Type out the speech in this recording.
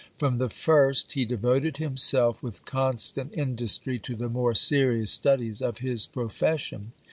From the first he devoted himself with constant industry to the more serious studies of his profession.